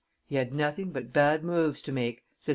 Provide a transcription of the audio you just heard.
"He had nothing but bad moves to make," says M.